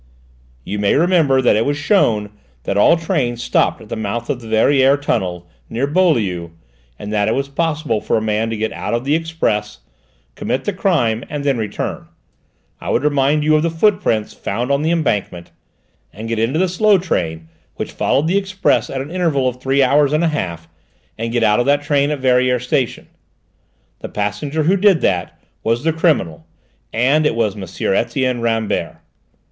"You may remember that it was shown that all trains stopped at the mouth of the Verrières tunnel, near Beaulieu, and that it was possible for a man to get out of the express, commit the crime and then return I would remind you of the footprints found on the embankment and get into the slow train which followed the express at an interval of three hours and a half, and get out of that train at Verrières station. The passenger who did that, was the criminal, and it was M. Etienne Rambert.